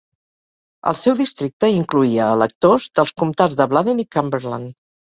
El seu districte incloïa electors dels comtats de Bladen i Cumberland.